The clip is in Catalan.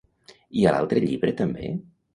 I a l'altre llibre també?